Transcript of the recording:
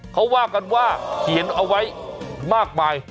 เขาว่ากันว่าเขียนเอาไว้มากมาย